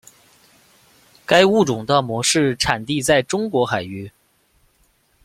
该物种的模式产地在中国海域。